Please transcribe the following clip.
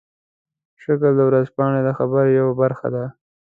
شکل د ورځپاڼې د خبر یوه برخه ده.